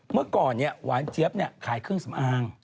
เมื่อก่อนหวานเจี๊ยบขายเครื่องสำอาง